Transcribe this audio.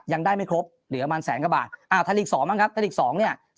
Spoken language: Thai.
ยังได้ไม่ครบเหลือประมาณแสนกว่าบาทไทยฤกษ์๒บ้างครับไทยฤกษ์๒เนี่ย